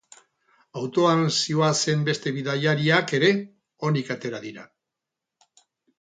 Autoan zihoazen beste bidaiariak ere onik atera dira.